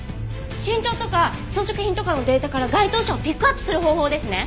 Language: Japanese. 身長とか装飾品とかのデータから該当者をピックアップする方法ですね。